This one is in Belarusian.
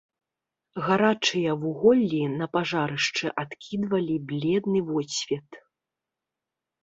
Гарачыя вуголлі на пажарышчы адкідвалі бледны водсвет.